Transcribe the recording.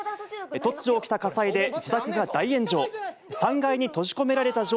突如起きた火災で自宅が大炎上。